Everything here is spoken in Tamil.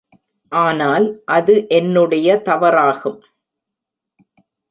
ஆனால், அது என்னுடைய தவறாகும்.